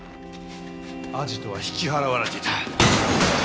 アジトは引き払われていた。